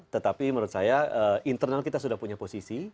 tetapi menurut saya internal kita sudah punya posisi